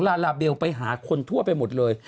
ลาลาเบลไปหาคนทั่วไปหมดเลย